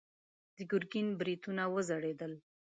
د ګرګين برېتونه وځړېدل.